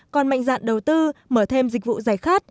còn mạnh dạn đầu tư mở thêm dịch vụ giải khát